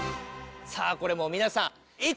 さあこれもう皆さんご用意